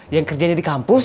yang kerjanya di kampus